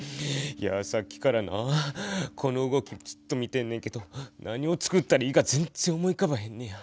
いやぁさっきからなこの動きずっと見てんねんけど何をつくったらいいか全然思いうかばへんのや。